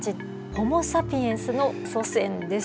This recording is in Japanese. ホモ・サピエンスの祖先です。